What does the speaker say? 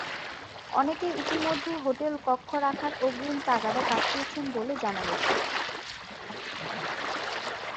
অনেকে ইতিমধ্যে হোটেল কক্ষ রাখার অগ্রিম তাগাদা পাঠিয়েছেন বলে জানা গেছে।